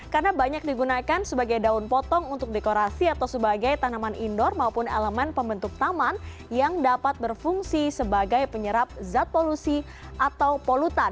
karena banyak digunakan sebagai daun potong untuk dekorasi atau sebagai tanaman indoor maupun elemen pembentuk taman yang dapat berfungsi sebagai penyerap zat polusi atau polutan